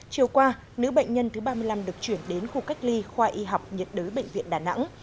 chiều qua nữ bệnh nhân thứ ba mươi năm được chuyển đến khu cách ly khoa y học nhiệt đới bệnh viện đà nẵng